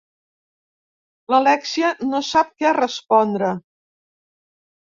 L'Alèxia no sap què respondre.